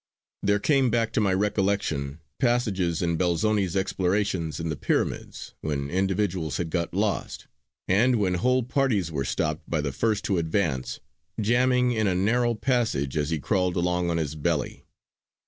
There came back to my recollection passages in Belzoni's explorations in the Pyramids when individuals had got lost, and when whole parties were stopped by the first to advance jamming in a narrow passage as he crawled along on his belly.